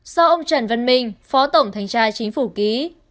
do ông trần văn minh phó tổng thanh tra chính phủ ký